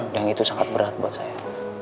dan itu sangat berat buat saya